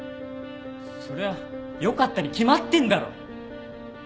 そりゃよかったに決まってんだろ。